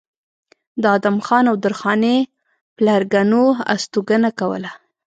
د ادم خان او درخانۍ پلرګنو استوګنه کوله